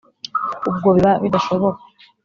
ubwo biba bidashoboka.